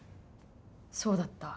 「そうだった。